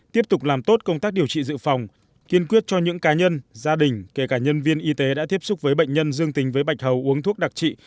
tiếp tục làm tốt công tác điều trị dự phòng kiên quyết cho những cá nhân gia đình kể cả nhân viên y tế đã tiếp xúc với bệnh nhân dương tính với bạch hầu uống thuốc đặc trị